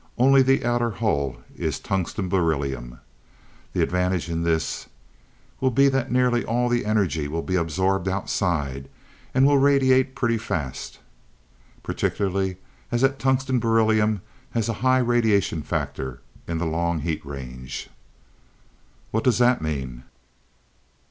Only the outer hull is tungsten beryllium. The advantage in this will be that nearly all the energy will be absorbed outside, and we'll radiate pretty fast, particularly as that tungsten beryllium has a high radiation factor in the long heat range." "What does that mean?"